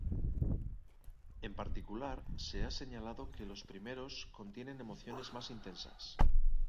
En particular, se ha señalado que los primeros contienen emociones más intensas.